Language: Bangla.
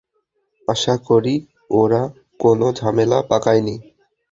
আশা করি, ওরা কোনো ঝামেলা পাকায়নি।